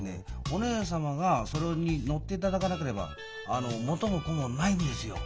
お姉様がそれに乗っていただかなければあの元も子もないんですよ。